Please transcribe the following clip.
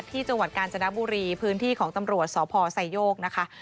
จังหวัดกาญจนบุรีพื้นที่ของตำรวจสพไซโยกนะคะ